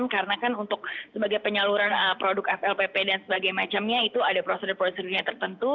karena kan untuk sebagai penyaluran produk flpp dan sebagainya itu ada prosedur prosedurnya tertentu